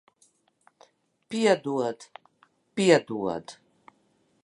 Piedod. Piedod.